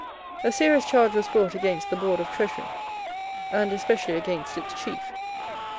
A serious charge was brought against the Board of Treasury, and especially against its chief.